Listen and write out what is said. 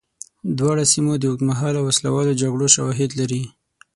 دواړو سیمو د اوږدمهاله وسله والو جګړو شواهد لري.